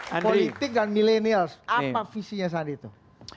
politik dan milenial apa visinya sandi tuh